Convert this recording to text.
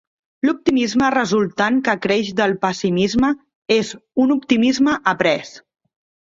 L"optimisme resultant que creix del pessimisme és un optimisme après.